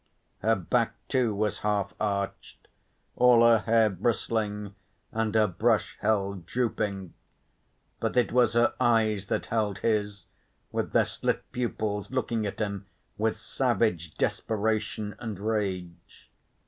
Her back too was half arched, all her hair bristling and her brush held drooping. But it was her eyes that held his, with their slit pupils looking at him with savage desperation and rage.